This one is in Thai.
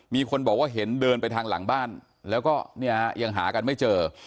มีคนบอกว่าเห็นเดินไปทางหลังบ้านแล้วก็เนี่ยยังหากันไม่เจอ